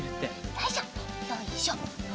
よいしょよいしょ。